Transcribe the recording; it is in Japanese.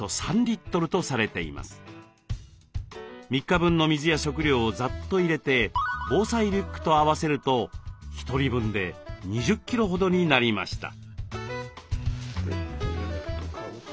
３日分の水や食料をざっと入れて防災リュックと合わせると１人分で２０キロほどになりました。